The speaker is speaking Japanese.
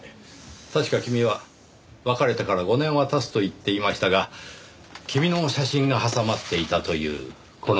確か君は別れてから５年は経つと言っていましたが君の写真が挟まっていたというこの詩集。